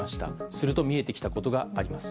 すると見えてきたことがあります。